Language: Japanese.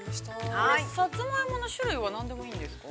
◆さつまいもの種類は何でもいいんですか。